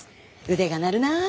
腕が鳴るなあ。